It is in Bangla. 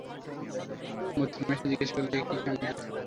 মোতির মা এসে জিজ্ঞাসা করলে, এ কী কাণ্ড দিদি?